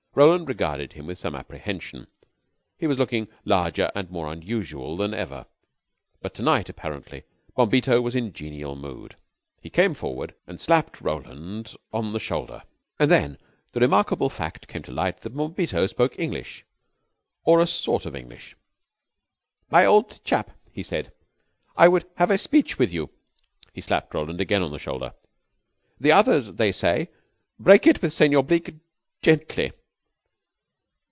Roland regarded him with some apprehension. He was looking larger and more unusual than ever. But to night, apparently, Bombito was in genial mood. He came forward and slapped Roland on the shoulder. And then the remarkable fact came to light that Bombito spoke English, or a sort of English. "My old chap," he said. "I would have a speech with you." He slapped Roland again on the shoulder. "The others they say, 'Break it with Senor Bleke gently.'